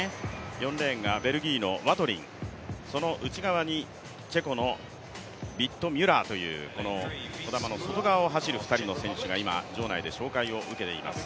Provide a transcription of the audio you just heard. ４レーンがベルギーのワトリン、その内側にチェコのビット・ミュラーという児玉の外側を走る選手が紹介を受けています。